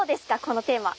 このテーマ。